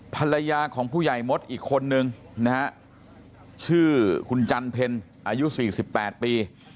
ภรรยาของผู้ใหญ่มดอีกคนนึงนะฮะชื่อคุณจันเพ็ญอายุ๔๘ปี